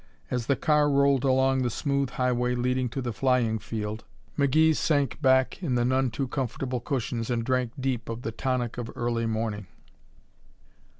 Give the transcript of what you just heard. As the car rolled along the smooth highway leading to the flying field, McGee sank back in the none too comfortable cushions and drank deep of the tonic of early morning.